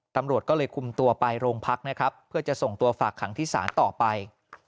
ตำรวจก็เลยคุมตัวไปโรงพักนะครับเพื่อจะส่งตัวฝากขังที่ศาลต่อไป